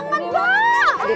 kude banget mbak